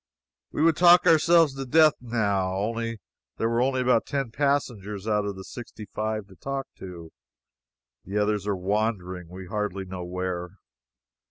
We would talk ourselves to death, now, only there are only about ten passengers out of the sixty five to talk to. The others are wandering, we hardly know where.